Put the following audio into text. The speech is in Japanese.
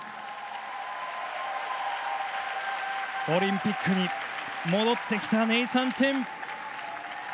オリンピックに戻ってきたネイサン・チェン。